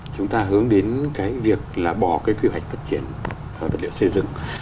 chúng ta hướng đến việc bỏ quy hoạch phát triển vật liệu xây dựng